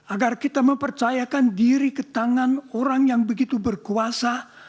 agar kita mempercayakan diri ke tangan orang yang begitu berkuasa